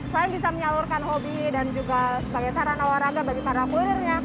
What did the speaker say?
selain bisa menyalurkan hobi dan juga sebagai saran awar awar bagi para kurirnya